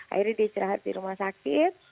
akhirnya dia istirahat di rumah sakit